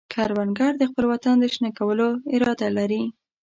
کروندګر د خپل وطن د شنه کولو اراده لري